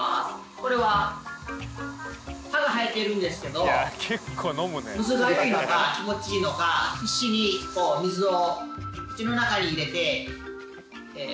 これは歯が生えているんですけどむずがゆいのか気持ちいいのか必死にこう水を口の中に入れて遊んでます。